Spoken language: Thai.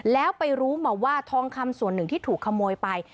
แล้วไปรู้มาว่าทองคำส่วนหนึ่งที่ถูกขโมยไป